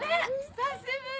久しぶり。